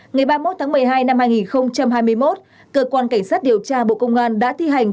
ngày ba mươi một tháng một mươi hai năm hai nghìn hai mươi một cơ quan cảnh sát điều tra bộ công an đã thi hành